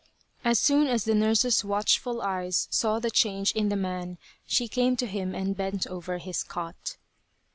As soon as the nurse's watchful eyes saw the change in the man she came to him and bent over his cot.